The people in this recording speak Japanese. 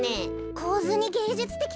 こうずにげいじゅつてき